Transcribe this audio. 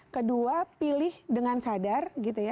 kedua pilih dengan sadar